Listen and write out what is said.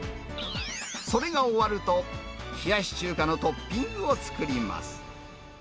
それが終わると、冷やし中華のトッピングを作ります。